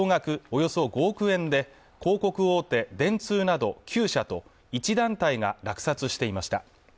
およそ５億円で広告大手電通など９社と１団体が落札していました